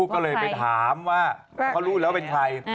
ก็เลยไปถามว่าเขารู้แล้วเป็นใคร